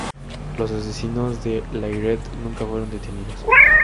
Los asesinos de Layret nunca fueron detenidos.